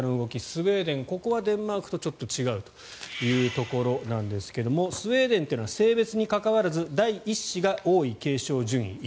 スウェーデンここはデンマークとはちょっと違うというところなんですがスウェーデンというのは性別に関わらず第１子が王位継承順位１位。